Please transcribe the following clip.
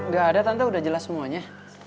gak ada tante udah jelas semuanya